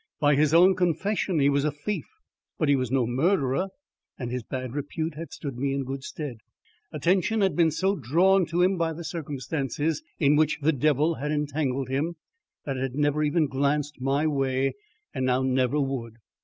By his own confession he was a thief, but he was no murderer, and his bad repute had stood me in good stead. Attention had been so drawn to him by the circumstances in which the devil had entangled him, that it had never even glanced my way and now never would.